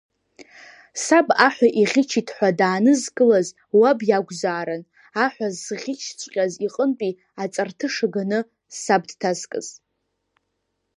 Саб аҳәа иӷьычит ҳәа даанызкылаз уаб иакәзаарын, аҳәа зӷьычҵәҟьаз иҟынтәи аҵарҭыша ганы саб дҭазкыз.